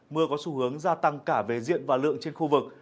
mưa có xu hướng gia tăng cả về diện và lượng trên khu vực